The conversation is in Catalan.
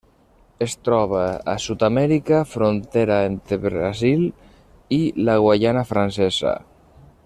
Es troba a Sud-amèrica: frontera entre Brasil i la Guaiana Francesa.